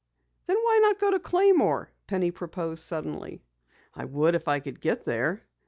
"Then why not go to Claymore?" Penny proposed suddenly. "I would if I could get there."